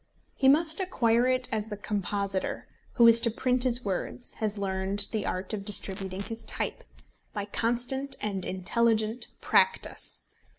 He must acquire it as the compositor, who is to print his words, has learned the art of distributing his type by constant and intelligent practice.